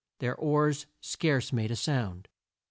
Their oars scarce made a sound.